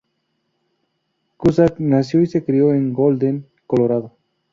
Cusack nació y se crio en Golden, Colorado.